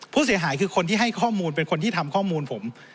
ผู้เสียหายคือคนที่ให้ข้อมูลเป็นคนที่ทำข้อมูลผม